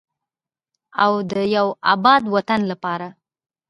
او د یو اباد وطن لپاره.